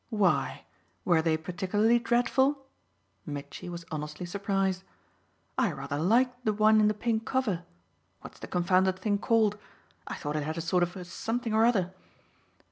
"Why, were they particularly dreadful?" Mitchy was honestly surprised. "I rather liked the one in the pink cover what's the confounded thing called? I thought it had a sort of a something or other."